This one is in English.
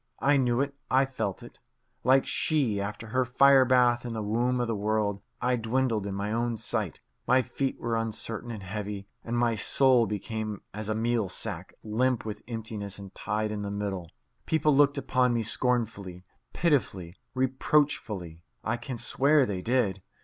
I knew it; I felt it. Like She, after her fire bath in the womb of the world, I dwindled in my own sight. My feet were uncertain and heavy, and my soul became as a meal sack, limp with emptiness and tied in the middle. People looked upon me scornfully, pitifully, reproachfully. (I can swear they did.)